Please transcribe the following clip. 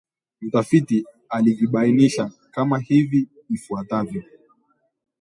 Mtafiti alivibainisha kama hivi ifuatavyo